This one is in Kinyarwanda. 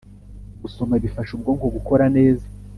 Gusoma bifasha ubwonko gukora neza